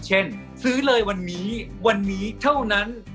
ซื้อเลยวันนี้วันนี้เท่านั้น